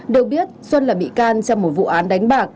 được biết xuân là bị can trong một vụ án đánh bạc